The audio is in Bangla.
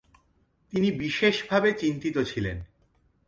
তিনি বিশেষ ভাবে চিন্তিত ছিলেন।